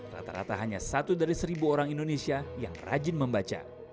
rata rata hanya satu dari seribu orang indonesia yang rajin membaca